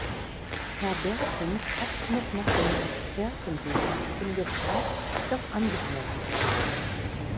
Herr Bertens hat noch nach dem Expertengutachten gefragt, das angefertigt wurde.